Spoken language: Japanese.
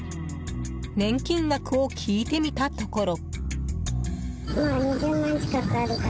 年金額を聞いてみたところ。